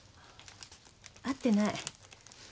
会ってない。